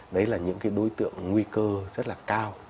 đấy là những đối tượng nguy cơ rất là cao